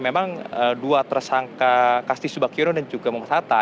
memang dua tersangka kasti subakyono dan juga muhammad hatta